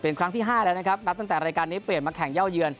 เป็นครั้งที่๕แล้วนะครับนับตั้งแต่รายการนี้เปลี่ยนมาแข่งเย่าเยือน